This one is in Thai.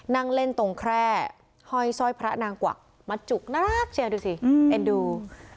นั่งเล่นตรงแคร่ห้อยสร้อยพระนางกวักมาจุกน่ารักเชียวดูสิเอ็นดู